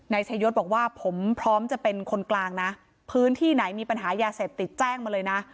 นายชายศบอกว่าผมพร้อมจะเป็นคนกลางนะพื้นที่ไหนมีปัญหายาเสพติดแจ้งมาเลยนะ